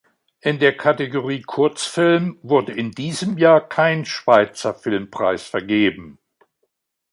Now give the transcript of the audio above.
In der Kategorie Kurzfilm wurde in diesem Jahr kein Schweizer Filmpreis vergeben.